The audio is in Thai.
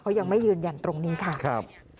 เขายังไม่ยืนยันตรงนี้ค่ะครับ